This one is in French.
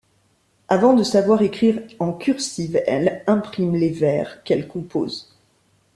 Avant de savoir écrire en cursive, elle imprime les vers qu'elle compose.